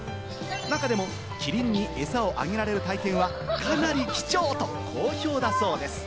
中でもキリンにエサをあげられる体験はかなり貴重と好評だそうです。